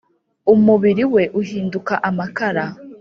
Umubiri we uhinduka amakara